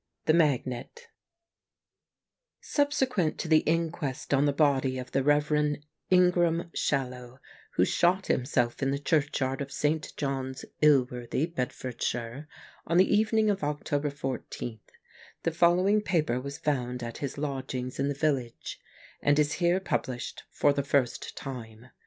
THE MAGNET [Subsequent to the inquest on the body of tlie Rev. Ingram Shallow, who shot himself in the churchyard of St. John's, Ilworthy, Bedfordshire, on the evening of October 14, the following paper was found at his lodgings in the village, and is here published for the first time.